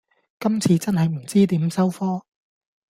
今次真係唔知點收科